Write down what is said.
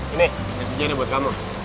ini ini saja nih buat kamu